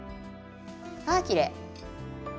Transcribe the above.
あきれい。